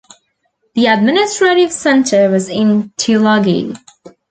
The administrative centre was in Tulagi.